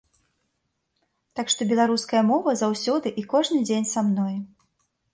Так што беларуская мова заўсёды і кожны дзень са мной.